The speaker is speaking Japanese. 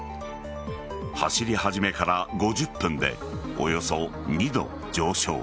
走り始めから５０分でおよそ２度上昇。